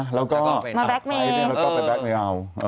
แล้วก็ไปแล้วก็แบ็คเมย์เอาเออมาแบ็คเมย์